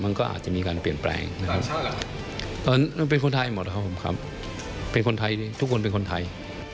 มันก็อาจจะมีการเปลี่ยนแปลงนะครับตอนนั้นมันเป็นคนไทยหมดครับผมครับเป็นคนไทยทุกคนเป็นคนไทย